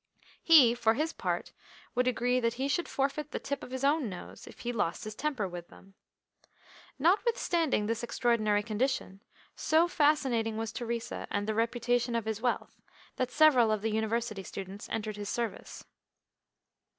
He, for his part, would agree that he should forfeit the tip of his own nose if he lost his temper with them. Notwithstanding this extraordinary condition, so fascinating was Theresa, and the reputation of his wealth, that several of the University students entered his service.